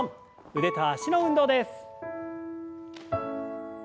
腕と脚の運動です。